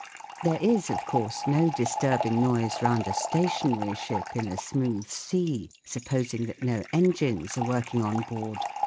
There is, of course, no disturbing noise round a stationary ship in a smooth sea, supposing that no engines are working on board.